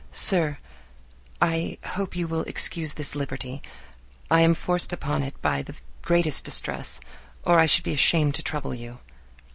_ Sir,—I hope you will excuse this liberty; I am forced upon it by the greatest distress, or I should be ashamed to trouble you.